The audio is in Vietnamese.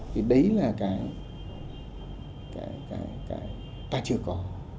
thì đấy là cái ta chưa có